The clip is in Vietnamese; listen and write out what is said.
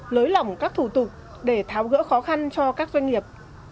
nới lỏng các thủ tục để tháo gỡ khó khăn cho các doanh nghiệp